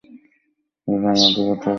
দুজনের মধ্যে কত প্রভেদ!